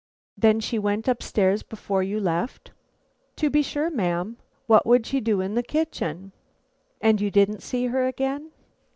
"Then she went up stairs before you left?" "To be sure, ma'am; what would she do in the kitchen?" "And you didn't see her again?"